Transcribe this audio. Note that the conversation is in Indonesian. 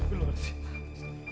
kamu suka kan